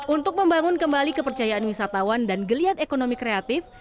untuk membangun kembali kepercayaan wisatawan dan geliat ekonomi kreatif